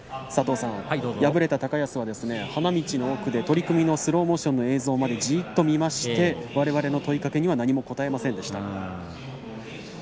敗れた高安は、花道の奥で取組のスローモーションの映像まで、じっと見ましてわれわれの問いかけには何も答えませんでした。